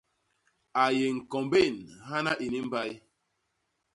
A yé ñkombén hana ini mbay.